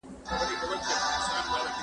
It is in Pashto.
ثابته فریضه باید ادا سي.